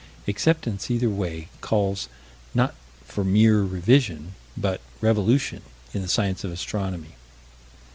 Acceptance either way calls not for mere revision but revolution in the science of astronomy.